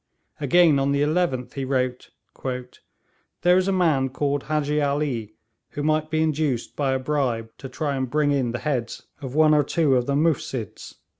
Again, on the 11th, he wrote: 'There is a man called Hadji Ali, who might be induced by a bribe to try and bring in the heads of one or two of the Mufsids.